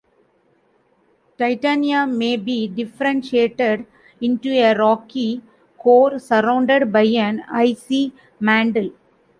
Titania may be differentiated into a rocky core surrounded by an icy mantle.